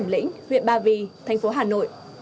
công an xã cẩm lĩnh huyện ba vì thành phố hà nội